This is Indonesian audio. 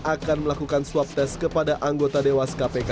akan melakukan swab test kepada anggota dewas kpk